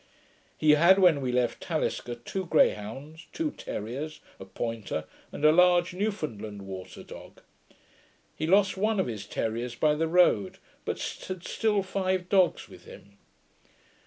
He had, when we left Talisker, two greyhounds, two terriers, a pointer, and a large Newfoundland water dog. He lost one of his terriers by the road, but had still five dogs with him.